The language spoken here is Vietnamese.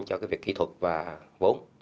cho việc kỹ thuật và vốn